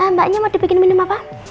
mbaknya mau dibikin minum apa